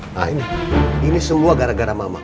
nah ini ini semua gara gara mama